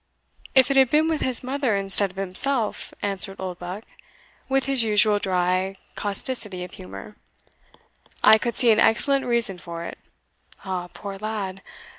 "If it had been with his mother instead of himself," answered Oldbuck, with his usual dry causticity of humour, "I could see an excellent reason for it. Ah, poor lad!